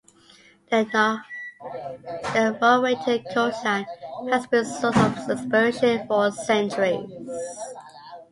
The Rowayton coastline has been a source of inspiration for centuries.